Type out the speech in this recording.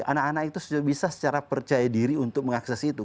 anak anak itu sudah bisa secara percaya diri untuk mengakses itu